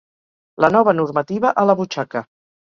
La nova normativa a la butxaca